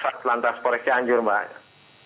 tugas satlak lantas koreksi anjur banyak